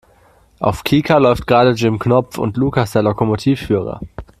Auf Kika läuft gerade Jim Knopf und Lukas der Lokomotivführer.